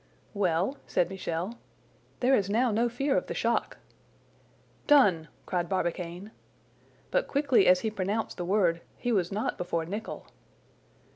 "Well?" said Michel. "There is now no fear of the shock!" "Done!" cried Barbicane. But quickly as he pronounced the word, he was not before Nicholl.